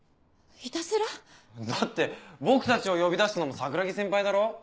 いたずら？だって僕たちを呼び出したのも桜樹先輩だろ？